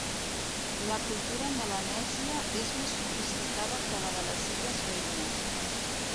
La cultura melanèsia és més sofisticada que la de les illes veïnes.